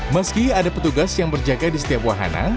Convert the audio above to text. meski ada petugas yang berjaga di setiap wahana